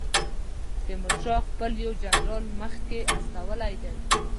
تیمورشاه خپل یو جنرال مخکې استولی دی.